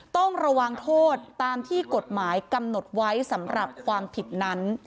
ต้องระวังโทษตามที่กฎหมายกำหนดไว้สำหรับความผิดนั้น